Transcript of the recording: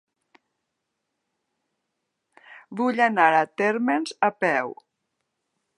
Vull anar a Térmens a peu.